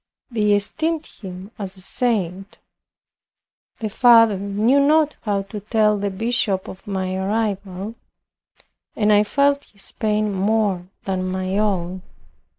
They esteemed him as a saint. The father knew not how to tell the bishop of my arrival, and I felt his pain more than my own.